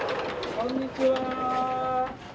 こんにちは。